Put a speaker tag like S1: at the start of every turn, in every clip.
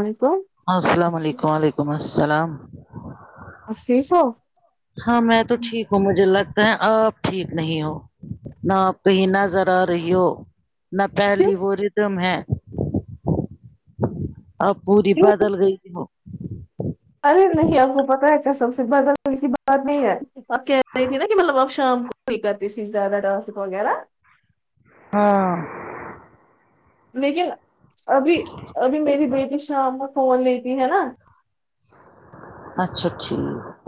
S1: وعلیکم
S2: السلام علیکم و علیکم السلام
S1: آپ ٹھیک ہو
S2: ہاں میں تو ٹھیک ہوں مجھے لگتا ہے آپ ٹھیک نہیں ہو نہ آپ کہیں نظر آ رہی ہو نہ پہلی وہ رہتم ہے اب پوری بدل گئی وہ
S1: ارے نہیں آپ کو پتاہ ہے کیا سب سے بدل کی سی بات نہیں ہے اب کہہ رہی تھی نا کہ مطلب اب شام کو بھی کرتی تھی زیادہ ڈس وغیرہ
S2: آہ
S1: لیکن نہ ابھی ابھی میری بیٹی شام کو فون لیتی ہے نا
S2: اچھا ٹھیک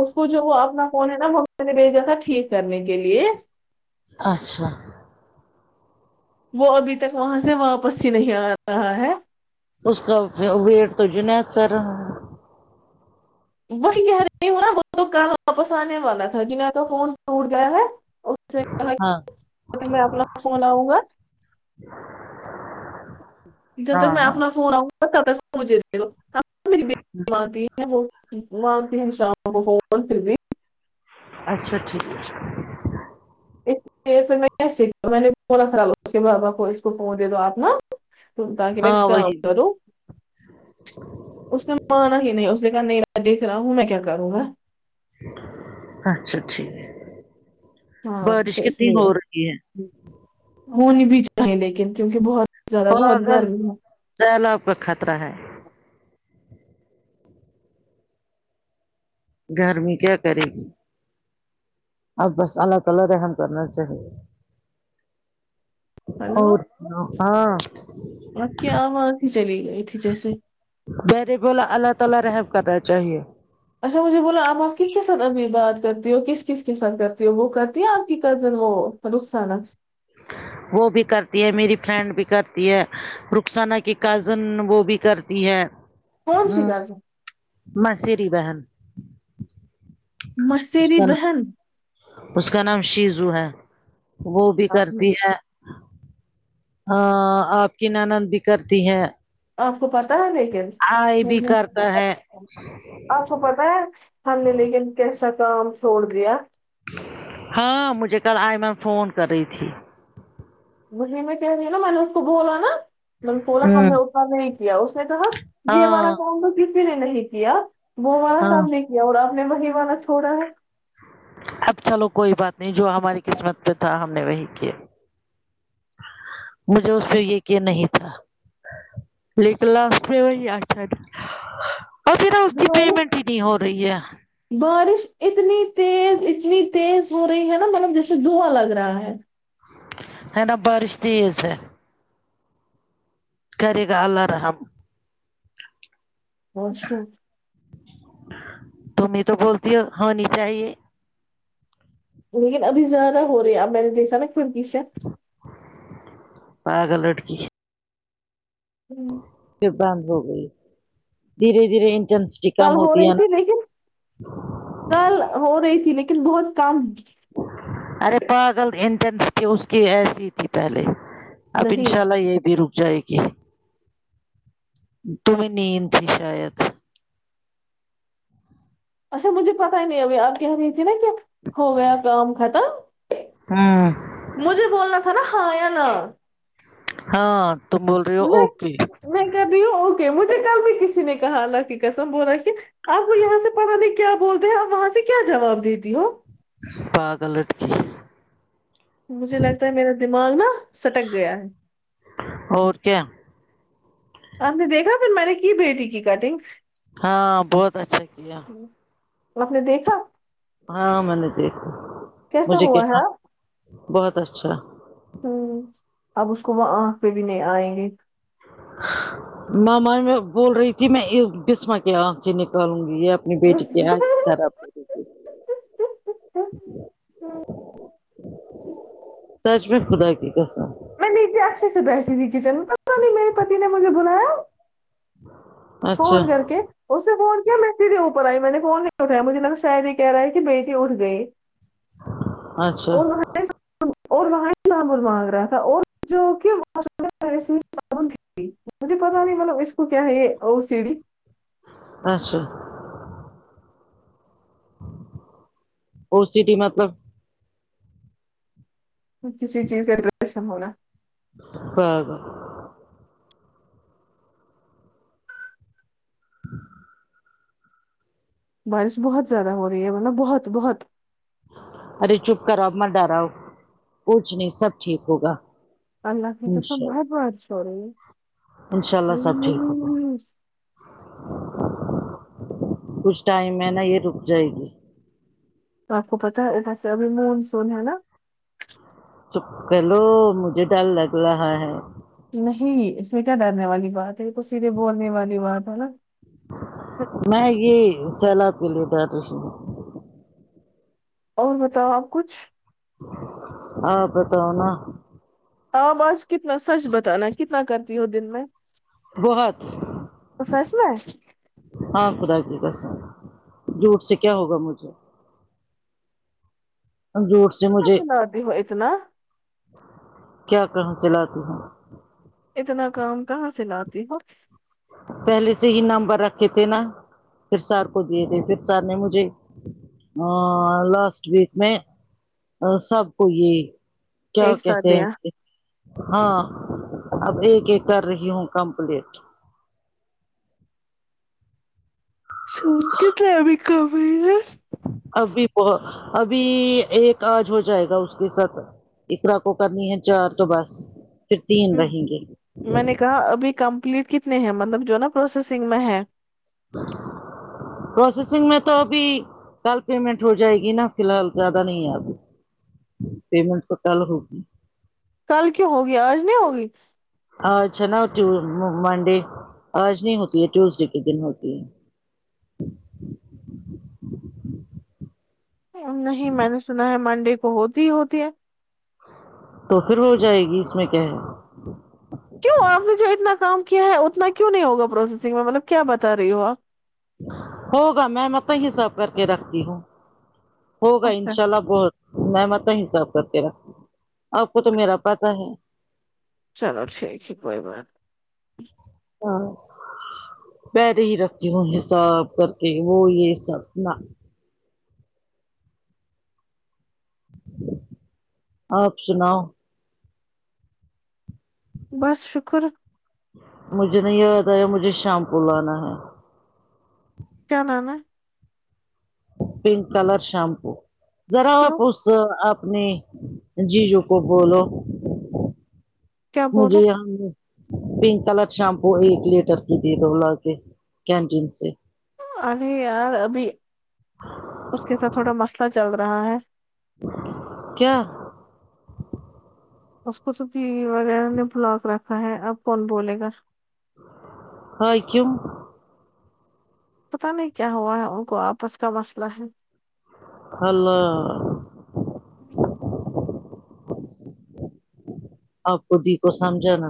S1: اس کو جو اپنا فون ہے نا مما نے بھیجا تھا ٹھیک کرنے کے لیے
S2: اچھا
S1: وہ ابھی تک وہاں سے واپس ہی نہیں آ رہا ہے
S2: اس کا ویٹ تو جنید کر رہا ہے
S1: وہی کہہ رہی ہوں نا وہ تو کل واپس آنے والا تھا جنید کا فون ٹوٹ گیا ہے اس نے کہا
S2: ہاں
S1: کہ میں اپنا فون لاو گا جب تک
S2: ہاں
S1: میں
S2: ہاں
S1: اپنا فون اون پر کردونگی تب تک مجھے دے دو وہ مانگتے ہیں شام کو فون پھر بھی
S2: اچھا ٹھیک ہے
S1: [unintelligible] تم تاکہ میں
S2: ہاں
S1: کام
S2: وہی
S1: کروں اس نے مانا ہی نہیں اس نے کہا نہیں میں دیکھ رہا ہوں میں کیا کروں گا
S2: اچھا ٹھیک ہے
S1: ہاں
S2: بارش
S1: تو اس
S2: کتنی ہو
S1: لیے
S2: رہی ہے
S1: ہونی بھی چاہیے لیکن کیونکہ بہت زیادہ بہت
S2: پاگل
S1: گرمی
S2: سہلاپ کا خطرہ ہے گرمی کیا کرے گی اب بس اللہ تعالی رحم کرنا چاہیے
S1: ہیلو
S2: اور ہاں
S1: آپکی آواز ہی چلی گئی تھی جیسے
S2: میں نے بولا اللہ تعالی رحم کرنا چاہیے
S1: اچھا مجھے بولو آپ آپ کس کے ساتھ بات کرتی ہو کس کس کے ساتھ کرتی ہو وہ کرتی ہے آپ کی کزن وہ رخسانہ
S2: وہ بھی کرتی ہے میری فرینڈ بھی کرتی ہے رخسانہ کے کزن وہ بھی کرتی ہے
S1: کون سی کزن
S2: مسریی بہن اس
S1: ماسیری
S2: کا
S1: بہن
S2: اس کا نام شیزو ہے وہ بھی
S1: آپ نے
S2: کرتی ہے ہاں آپ کی ناند بھی کرتی ہیں
S1: آپ کو پتا ہے لیکن
S2: بھی کرتا ہے
S1: آپ کو پتا ہے ہم نے لیکن کیسا کام چھوڑ دیا
S2: ہاں مجھے کل آئمن فون کر رہی تھی
S1: میں کہنے رہی ہے میں نے اس کو بولا نا میں نے بولا ہم نے
S2: ہوں
S1: اتنا نہیں کیا اس نے کہا یہ ہمارا
S2: ہاں
S1: کام تو کسی نے نہیں کیا وہ والا
S2: ہاں
S1: سب نے کیا اور اپ نے وہی والا چوڑا ہے
S2: اب چلو کوئی بات نہیں جو ہماری قسمت پہ تھا ہم نے وہی کیا مجھے اس پے یقین نہیں تھا لیکن لاسٹ میں وہی اچھا تھا
S1: [unintelligible] بارش اتنی تیز اتنی تیز ہو رہی ہے نا مطلب جیسے دوھاں لگ رہا ہے
S2: ہے نا بارش تیز ہے کرے گا اللہ رحم
S1: [unintelligible]
S2: تم ہی تو بولتی ہو ہونی چاہیے
S1: لیکن ابھی زیادہ ہو رہی ہے اب میں نے دیکھا نا کڑکی سے
S2: پاگل لٹکی
S1: ہمم
S2: بند ہو گئی دھیرے دھیرے انٹرنس
S1: کل ہو رہی تھی لیکن کل ہو رہی تھی لیکن بہت کم
S2: ارے پاگل انٹینسٹی اس کی ایسی تھی پہلے اب انشاء
S1: نہیں
S2: اللہ یہ بھی رک جائے گی تمہیں نیند تھی شاید
S1: اچھا مجھے پتہ ہی نہیں ابھی آپ کہہ رہے تھی نا جب ہو گیا کام ختم
S2: ہوں
S1: مجھے بولنا تھا نا ہاں یا نہ
S2: ہاں تم بول رہی ہو
S1: میں
S2: اوکے
S1: میں کر رہی ہوں اوکے مجھے کل بھی کسی نے کہا اللہ کی قسم بو رہا کہ آپ کو یہاں سے پڑھانے کیا بولتے ہو آپ وہاں سے کیا جواب دیتی ہو
S2: پاگل لٹکی
S1: مجھے لگتا ہے میرا دماغ نا سٹک گیا ہے
S2: اور کیا
S1: آپ نے دیکھا پھر میں نے کی بیٹی کی کٹنگ
S2: ہاں بہت اچھا کیا
S1: آپ نے دیکھا
S2: ہاں میں نے دیکھا
S1: کیسا
S2: مجھے
S1: ہوا
S2: کیا
S1: ہے
S2: بہت اچھا
S1: ہوں اب اس کو وہ آنکھ پہ بھی نہیں آئیں گے
S2: ماما میں بول رہی تھی میں ا بسما کے آنکھ کی نکالوں گی اب اپنی بیٹی کے آنکھ خراب [unintelligible] سچ میں خدا کی قسم
S1: میں نیچے اچھے سے بیٹھی تھی کچن میں پتا نہیں میرے پتی نے مجھے بلایا
S2: اچھا
S1: فون کر کے اس نے فون کیا میں سیدھے اوپر آئی میں نے فون نہیں اٹھایا مجھے لگا شاید یہ کہہ رہا ہے کہ بیٹی اٹھ گئی
S2: اچھا
S1: [unintelligible] اور وہاں مانگ رہا تھا اور جو کہ [unintelligible] مجھے پتہ نہیں مطلب اس کو کیا ہے یہ ا و سیڑھی
S2: اچھا اولڈ سٹی مطلب
S1: کسی چیز کاٹینشن ہونا
S2: پاگل
S1: بارش بہت زیادہ ہو رہی ہے ملب بہت بہت
S2: ارے چپ کراؤ مر ڈراؤ کچھ نہیں سب ٹھیک ہوگا
S1: اللہ کی قسم
S2: انشاء
S1: بہت
S2: اللہ
S1: بارش ہو رہی ہے
S2: انشاء اللہ سب ٹھیک ہوگا کچھ ٹائم ہے نا یہ رک جائے گی
S1: تو آ پ کو پتہ ہے اوپر سے ابھی مانسون ہے نا
S2: چپ کلو مجھے ڈر لگ رہا ہے
S1: نہیں اس میں کیا ڈرنے والی بات ہے یہ تو سیدھے بولنے والی بات ہے نا
S2: میں یہ سیلاب کے لیے ڈر رہی ہوں
S1: اور بتاؤ آپ کچھ
S2: آ پ بتاؤ نا
S1: آپ آج کتنا سچ بتانا کتنا کرتی ہو دن میں
S2: ہہت
S1: سچ میں
S2: ہاں خدا کی قسم جھوٹ سے کیا ہوگا مجھے جھوٹ سے
S1: کہاں
S2: مجھے
S1: لاتی ہو اتنا
S2: کیا کہاں سے لاتی ہوں
S1: اتنا کام کہاں سے لاتی ہو
S2: پہلے سے ہی نمبر رکھے تھے نا پھر سر کو دیے تھے پھر سر نے مجھے ا لاسٹ ویک میں ا سب کو یہ کیا
S1: ایک ساتھ
S2: کہتے ہیں
S1: دیا
S2: کہ ہاں اب ایک ایک کر رہی ہوں کمپلیٹ
S1: [unintelligible]
S2: ابھی ب ابھی ایک آج ہو جائے گا اس کے ساتھ اقرا کو کرنی ہے چار تو بس پھر تین رہیں گے
S1: میں نے کہا ابھی کمپلیٹ کتنے ہیں مطلب جو نا پروسیسنگ میں ہے
S2: پروسیسنگ میں تو ابھی کل پیمنٹ ہو جائے گی نا فی الحال زیادہ نہیں ایگی پیمنٹ تو کل ہوگی
S1: کل کیوں ہوگی آج نہیں ہوگی
S2: آج ہے نا منڈے آج نہیں ہوتی ہے ٹیوزڈے کے دن ہوتی ہے
S1: نہیں میں نے سنا ہے منڈے کو ہوتی ہی ہوتی ہے
S2: تو پھر ہو جائے گی اس میں کیا ہے
S1: کیوں آپ نے جو اتنا کام کیا ہے اتنا کیوں نہیں ہوا پروسیسنگ میں مطلب کیا بتا رہی ہو آپ
S2: ہوگا میں مت ہی سب کر کے رکھتی ہوں ہوگا
S1: اچھا
S2: انشاء اللہ بہت میں متا حساب کرکے رکھتی ہوں آپ کو تو میرا پتاہ ہے
S1: چلو ٹھیک ہیں کوئی بات
S2: ہاں پیرے ہی رکھتی ہوں حساب کر کے وہ یہ سب نہ آپ سناؤ
S1: بس شکر
S2: مجھے نہیں یاد آیا مجھے شیمپو لانا ہے
S1: کیا نام ہے
S2: پنک کلر شیمپو ذرا وہ
S1: کیوں
S2: پہچ زا اپنے جیجو کو بولو
S1: کیا
S2: مجھے
S1: بولو
S2: یہ پنک کلر شیمپو ایک لیٹر کی ٹل [unintelligible] لا دے کینٹین سے
S1: ابھی یار ابھی اس کے ساتھ تھوڑا مسئلہ چل رہا ہے
S2: کیا
S1: اس کو تو فیور ہے بلاک رکھا ہے اب کون بولے گا
S2: ہاں کیوں
S1: پتا نہیں کیا ہوا ہے ان کو آپس کا مسئلہ ہے
S2: ہلہ آپ کو دی کو سمجھانا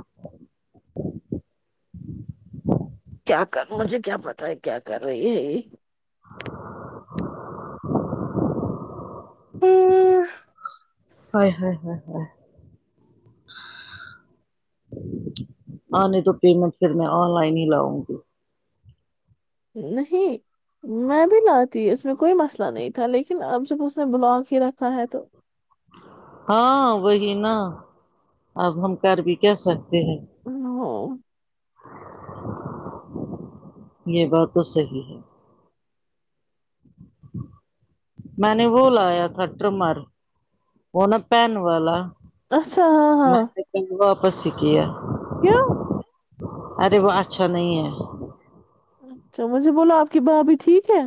S1: کیا کر مجھے کیا پتا ہے کیا کر رہی ہے
S2: ہاے ہاے ہاے ہاے آنے دو پیمنٹ پھر میں آن لائن ہی لاؤں گی
S1: نہیں میں بھی لاتی اس میں کوئی مسئلہ نہیں تھا لیکن اب جب اس نے بلاگ ہی رکھا ہے تو
S2: ہاں وہی نا اب ہم کر بھی کیا سکتے ہیں
S1: ہوں
S2: یہ بات تو صحیح ہے میں نے وہ لایا تھا ٹرمر وہ نا پین والا
S1: اچھا ہاں ہاں
S2: پھر واپس ہی کیا
S1: کیوں
S2: ارے وہ اچھا نہیں ہے
S1: اچھا مجھے بولو آپ کی بھابھی ٹھیک ہے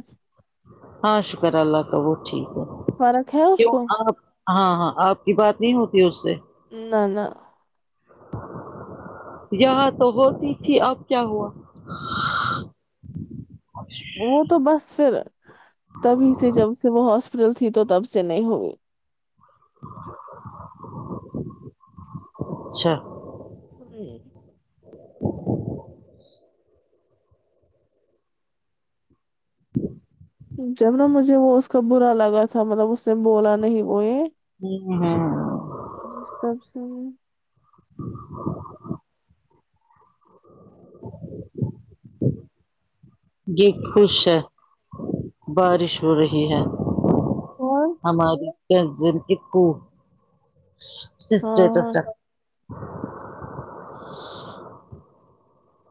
S2: ہاں شکر اللہ کا وہ ٹھیک ہے
S1: فرق ہے اس
S2: کیوں
S1: کو
S2: آپ ہاں ہاں آپ کی بات نہیں ہوتی اس سے
S1: نہ نہ
S2: یہاں تو ہوتی تھی اب کیا ہوا
S1: وہ تو بس پھر تبھی سے جب سے وہ ہاسپٹل تھی تو تب سے نہیں ہوئی
S2: اچھا
S1: کو
S2: [inaudible]
S1: جب نا مجھے وہ اس کا برا لگا تھا مطلب اس نے بولا نہیں وہ یہ
S2: ہمم ہاں
S1: مستب سے
S2: [inaudible] [inaudible] اور یہ خوش ہے بارش ہو رہی ہے
S1: ہاں
S2: ہماری کیا زل کیو اسٹیٹس
S1: ہاں
S2: رکھ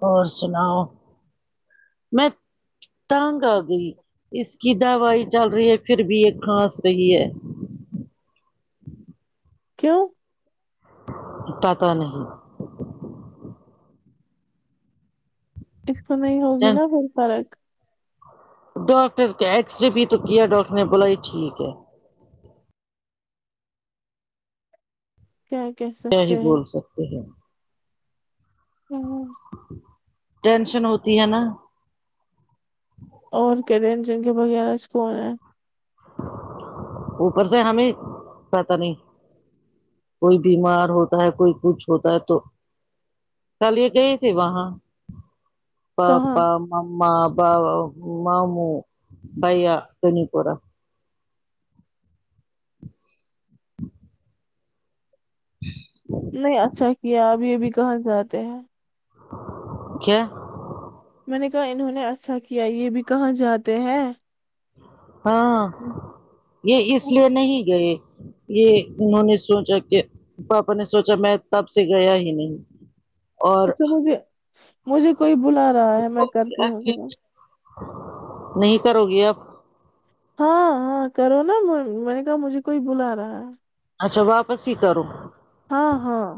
S2: اور سناؤ میں تنگ آ گئی اس کی دوائی چل رہی ہے پھر بھی یہ کھاس رہی ہے
S1: کیوں
S2: پٹا نہیں
S1: اس کو نہیں ہوگی نا پھر فرق
S2: ڈاکٹر کا ایکسرے بھی تو کیا ڈاکٹر نے بولا یہ ٹھیک ہے
S1: کیا کیا
S2: کیا ہی بول سکتے ہیں
S1: ہوں
S2: ٹینشن ہوتی ہے نا
S1: اور کرین جنگی وغیرہ اسکول ہیں
S2: اوپر سے ہمیں پتا نہیں کوئی بیمار ہوتا ہے کوئی کچھ ہوتا ہے تو کل یہ گئی تھی وہاں
S1: کہاں
S2: پاپا اما باوا مامو بھیا بنی پورا [inaudible]
S1: نہیں اچھا کیا اب یہ بھی کہاں جاتے ہیں
S2: کیا
S1: میں نے کہا انہوں نے اچھا کیا یہ بھی کہاں جاتے ہیں
S2: ہاں یہ اس لیے نہیں گئے یہ انہوں نے سوچا کہ پاپا نے سوچا میں تب سے گیا ہی نہیں اور
S1: اچھا مجھے مجھے کوئی بلا رہا ہے میں کرتی ہوں کال
S2: نہیں کرو گی اب
S1: ہاں ہاں کرو نا میں نے کہا مجھے کوئی بلا رہا ہے
S2: اچھا واپس ہی کرو
S1: ہاں ہاں